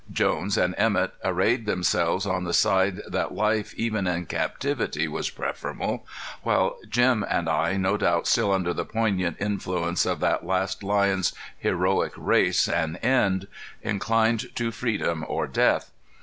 Jones and Emett arrayed themselves on the side that life even in captivity was preferable; while Jim and I, no doubt still under the poignant influence of the last lion's heroic race and end, inclined to freedom or death.